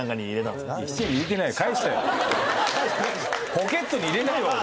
ポケットに入れないわ俺。